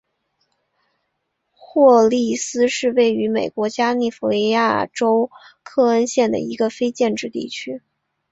霍利斯是位于美国加利福尼亚州克恩县的一个非建制地区。